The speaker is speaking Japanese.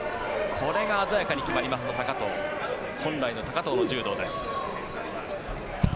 これが鮮やかに決まりますと本来の高藤の柔道です。